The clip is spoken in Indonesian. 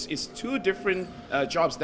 itu dua pekerjaan berbeda